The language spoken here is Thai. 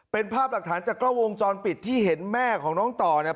เป็นภาพหลักฐานจากกล้องวงจรปิดที่เห็นแม่ของน้องต่อเนี่ย